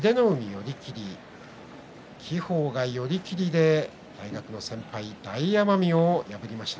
輝鵬が寄り切りで大学の先輩大奄美を破りました。